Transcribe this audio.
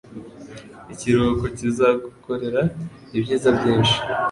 Ikiruhuko kizagukorera ibyiza byinshi.